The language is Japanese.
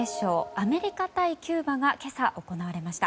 アメリカ対キューバが今朝、行われました。